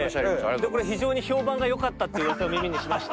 でこれ非常に評判が良かったっていううわさを耳にしまして。